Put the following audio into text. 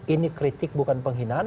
ini kritik bukan penghinaan